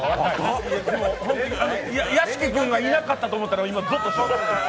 屋敷君がいなかったらと思って今、ぞっとしてます。